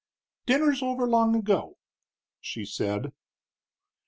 "Dinner's over long ago," she said.